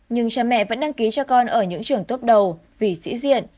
nhưng cha mẹ vẫn đăng ký cho con ở những trường tốt đầu vì sĩ diện